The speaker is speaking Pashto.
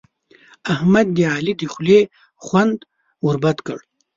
احمد د علي د خولې خوند ور بد کړ.